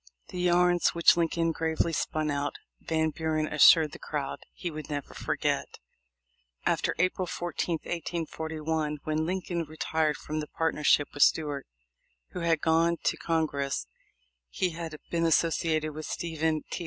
The yarns which Lincoln gravely spun out, Van Buren assured the crowd, he never would forget. After April 14, 1841, when Lincoln retired from the partnership with Stuart, who had gone to Con gress, he had been associated with Stephen T.